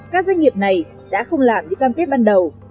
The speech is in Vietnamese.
các doanh nghiệp này đã không làm như cam kết ban đầu